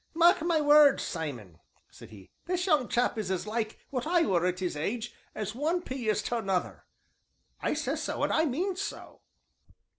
"Mark my words, Simon," said he, "this young chap is as like what I were at his age as one pea is to another I says so, and I means so."